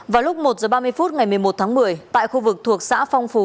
vào lúc một h ba mươi phút ngày một mươi một tháng một mươi tại khu vực thuộc xã phong phú